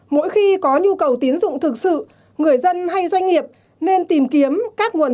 mỗi khi có nhu cầu tín dụng thực sự người dân hay doanh nghiệp nên tìm kiếm các nguồn thông tin